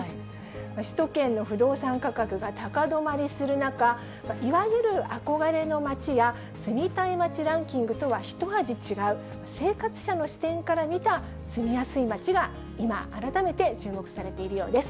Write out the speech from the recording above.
首都圏の不動産価格が高止まりする中、いわゆる憧れの街や、住みたい街ランキングとはひと味違う、生活者の視点から見た住みやすい街が今、改めて注目されているようです。